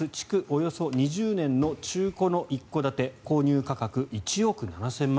およそ２０年の中古の一戸建て購入価格１億７０００万円。